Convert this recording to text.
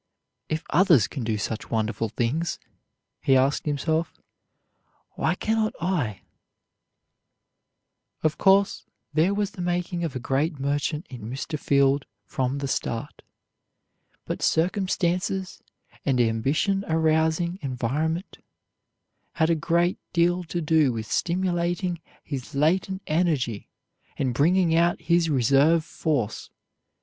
"If others can do such wonderful things," he asked himself, "why cannot I?" Of course, there was the making of a great merchant in Mr. Field from the start; but circumstances, an ambition arousing environment, had a great deal to do with stimulating his latent energy and bringing out his reserve force.